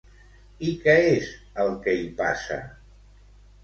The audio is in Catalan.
I què és el que hi passa?